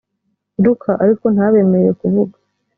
luka ariko ntabemerere kuvuga.